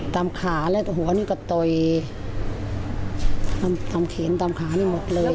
ตามขาและหัวนี่ก็ต่อยตามเขนตามขานี่หมดเลย